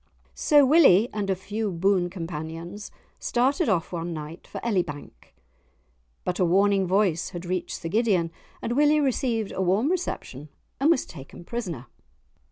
So Willie and a few boon companions started off one night for Elibank. But a warning voice had reached Sir Gideon, and Willie received a warm reception, and was taken prisoner.